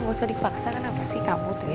gak usah dipaksa kenapa sih kamu tuh ya